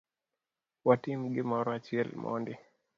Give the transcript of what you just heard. Watim gimoro achiel mondi.